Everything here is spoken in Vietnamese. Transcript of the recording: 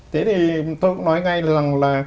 thế thì tôi cũng nói ngay là